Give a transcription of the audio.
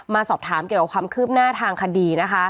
มาสอบถามเรื่องของความคืบหน้าทางคดี